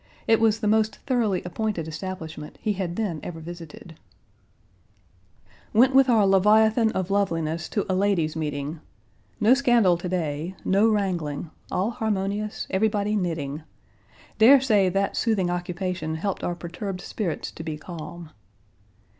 It was the most thoroughly appointed establishment he had then ever visited. .......................................... Went with our leviathan of loveliness to a ladies' meeting. No scandal to day, no wrangling, all harmonious, everybody knitting. Dare say that soothing occupation helped our perturbed spirits to be calm.